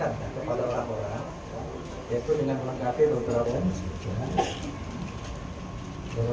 dari makarto dari kedede